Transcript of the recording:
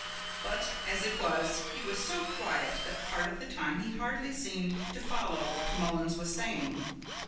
But as it was he was so quiet that part of the time he hardly seemed to follow what Mullins was saying.